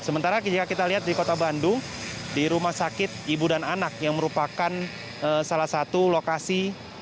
sementara jika kita lihat di kota bandung di rumah sakit ibu dan anak yang merupakan salah satu lokasi